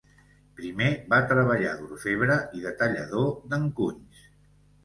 Primer va treballar d'orfebre i de tallador d'encunys.